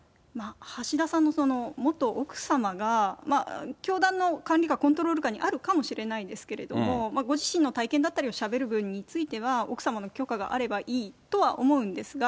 橋田さんの元奥様が教団の管理下、コントロール下にあるかもしれないんですけれども、ご自身の体験だったリをしゃべる分については、奥様の許可があればいいとは思うんですが、